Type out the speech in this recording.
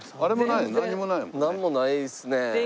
なんもないですね。